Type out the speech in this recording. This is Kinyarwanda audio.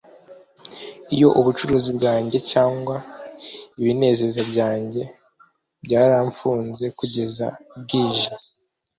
iyo ubucuruzi bwanjye, cyangwa ibinezeza byanjye, bwaramfunze kugeza bwije